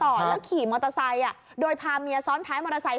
แล้วขี่มอเตอร์ไซค์โดยพาเมียซ้อนท้ายมอเตอร์ไซค